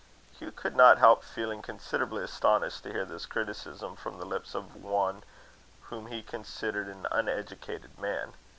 Hugh could not help feeling considerably astonished to hear this criticism from the lips of one whom he considered an uneducated man.